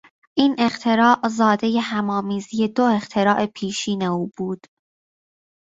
این اختراع زادهی همآمیزی دو اختراع پیشین او بود.